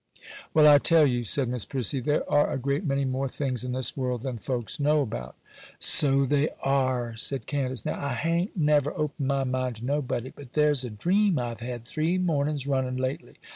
'Well, I tell you,' said Miss Prissy, 'there are a great many more things in this world than folks know about.' 'So they are,' said Candace. 'Now, I ha'n't never opened my mind to nobody; but there's a dream I've had, three mornings running, lately.